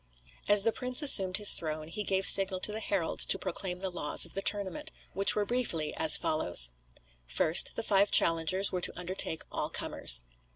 As the prince assumed his throne, he gave signal to the heralds to proclaim the laws of the tournament, which were briefly as follows: First: The five challengers were to undertake all comers.